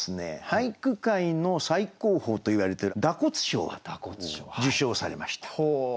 俳句界の最高峰といわれてる蛇笏賞を受賞されました。